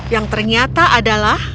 yang ternyata adalah